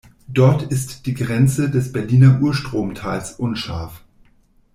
Dort ist die Grenze des Berliner Urstromtals unscharf.